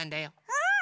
うん！